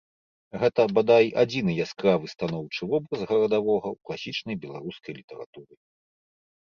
Гэта, бадай, адзіны яскравы станоўчы вобраз гарадавога ў класічнай беларускай літаратуры.